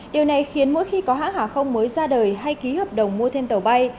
điều này khiến mỗi khi có hãng hàng không mới ra đời hay ký hợp đồng mua thêm tàu bay